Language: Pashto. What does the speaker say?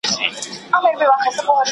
ښاري ژوند له کليوالي ژوند څخه توپير لري.